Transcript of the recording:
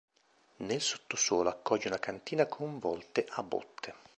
Nel sottosuolo accoglie una cantina con volte a botte.